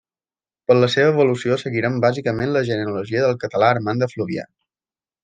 Per la seva evolució seguirem bàsicament la genealogia del català Armand de Fluvià.